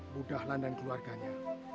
budahlan dan keluarganya